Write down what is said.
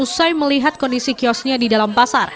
usai melihat kondisi kiosnya di dalam pasar